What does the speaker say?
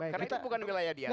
karena itu bukan wilayah dia